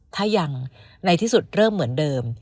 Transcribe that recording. ถ้ายังในที่สุดเริ่มเหมือนเดิม